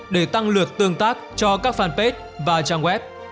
để tăng lượt tương tác cho các fanpage và trang web